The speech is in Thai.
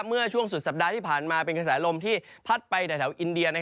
เมื่อช่วงสุดสัปดาห์ที่ผ่านมาเป็นกระแสลมที่พัดไปแถวอินเดีย